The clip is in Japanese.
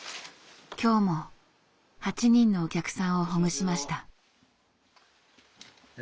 今日も８人のお客さんをほぐしました。